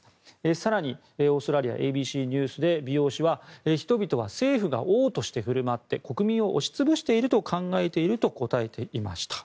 更に、オーストラリアＡＢＣニュースで美容師は人々は政府が王として振る舞って国民を押し潰していると考えていると答えていました。